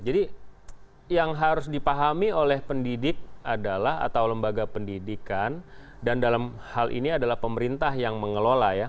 jadi yang harus dipahami oleh pendidik adalah atau lembaga pendidikan dan dalam hal ini adalah pemerintah yang mengelola ya